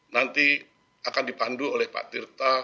nanti akan dipandu oleh pak tirta